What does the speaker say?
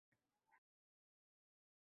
Men bir tush ko’rdim.